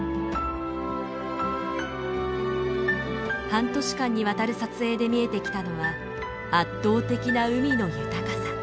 半年間にわたる撮影で見えてきたのは圧倒的な海の豊かさ。